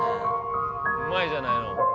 うまいじゃないの。